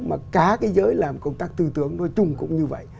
mà cả cái giới làm công tác tư tưởng nói chung cũng như vậy